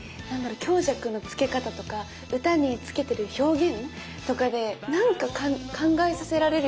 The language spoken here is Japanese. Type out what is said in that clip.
強弱の付け方とか歌に付けてる表現とかでなんか考えさせられるような